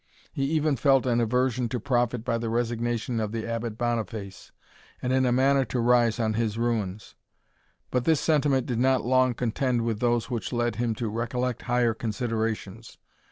He even felt an aversion to profit by the resignation of the Abbot Boniface, and in a manner to rise on his ruins; but this sentiment did not long contend with those which led him to recollect higher considerations.